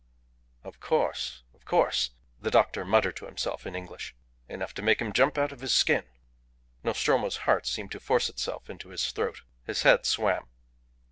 "Of course, of course," the doctor muttered to himself in English. "Enough to make him jump out of his skin." Nostromo's heart seemed to force itself into his throat. His head swam.